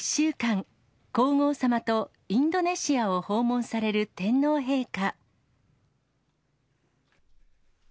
あすから１週間、皇后さまとインドネシアを訪問される天皇陛下。